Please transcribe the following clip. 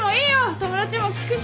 友達にも聞くし。